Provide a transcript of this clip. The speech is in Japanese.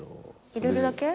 入れるだけ？